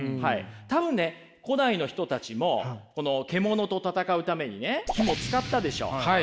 多分ね古代の人たちも獣と戦うためにね火も使ったでしょう。